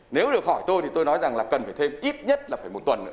nếu được hỏi tôi thì tôi nói rằng là cần phải thêm ít nhất là phải một tuần nữa